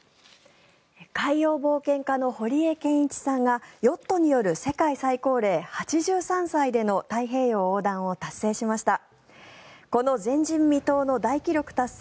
海洋冒険家の堀江謙一さんがヨットによる世界最高齢８３歳での太平洋横断を達成しました。